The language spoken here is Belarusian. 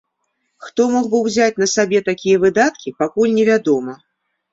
Хто мог бы ўзяць на сабе такія выдаткі, пакуль не вядома.